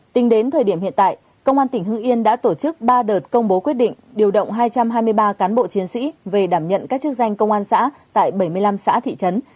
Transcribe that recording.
tính đến thời điểm hiện tại công an tỉnh hưng yên đã tổ chức ba đợt công bố quyết định điều động hai trăm hai mươi ba cán bộ chiến sĩ về đảm nhận các chức danh công an xã tại bảy mươi năm xã thị trấn